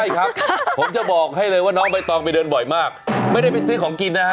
ใช่ครับผมจะบอกให้เลยว่าน้องใบตองไปเดินบ่อยมากไม่ได้ไปซื้อของกินนะฮะ